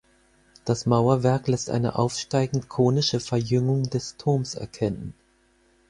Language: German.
Das Mauerwerk lässt eine aufsteigend konische Verjüngung des Turms erkennen.